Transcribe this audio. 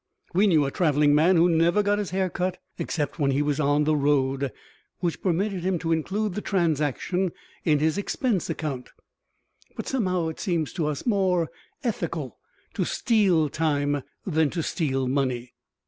We knew a traveling man who never got his hair cut except when he was on the road, which permitted him to include the transaction in his expense account; but somehow it seems to us more ethical to steal time than to steal money.